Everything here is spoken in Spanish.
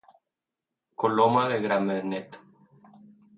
Coloma de Gramenet.